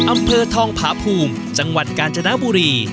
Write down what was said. อำเภอทองผาภูมิจังหวัดกาญจนบุรี